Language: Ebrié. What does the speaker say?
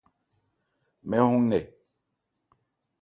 Mɛn hɔn nkɛ.